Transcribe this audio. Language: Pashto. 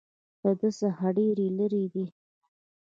له ده څخه ډېر لرې دي.